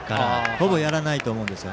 ほぼやらないと思うんです。